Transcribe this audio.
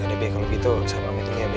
ya udah be kalau begitu sabar sabar dulu ya be